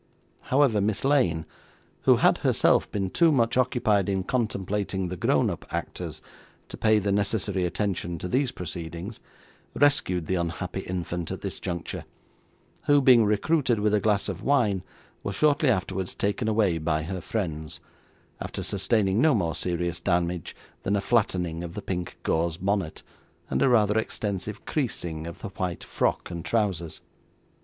However, Miss Lane (who had herself been too much occupied in contemplating the grown up actors, to pay the necessary attention to these proceedings) rescued the unhappy infant at this juncture, who, being recruited with a glass of wine, was shortly afterwards taken away by her friends, after sustaining no more serious damage than a flattening of the pink gauze bonnet, and a rather extensive creasing of the white frock and trousers.